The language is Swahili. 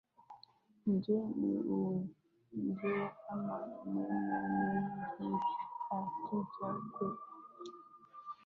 Mgeni huongea maneno mengi akija kwetu